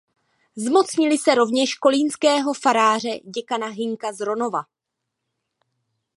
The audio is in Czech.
Zmocnili se rovněž kolínského faráře děkana Hynka z Ronova.